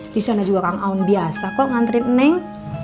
di sana juga kang aun biasa kok ngantarin neneng